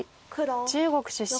中国出身。